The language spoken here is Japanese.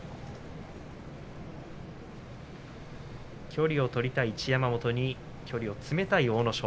距離を取りたい一山本に距離を詰めたい阿武咲。